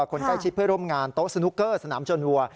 คนใกล้ชิดเพื่อร่วมงานโต๊ะสนุกเกอร์สนามชนวัว